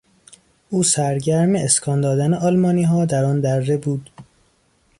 او سرگرم اسکان دادن آلمانیها در آن دره بود.